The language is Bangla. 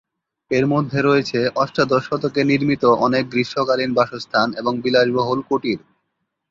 এর মধ্যে রয়েছে অষ্টাদশ শতকে নির্মীত অনেক গ্রীষ্মকালীন বাসস্থান এবং বিলাসবহুল কুটির।